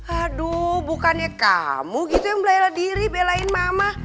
aduh bukannya kamu gitu yang bela diri belain mama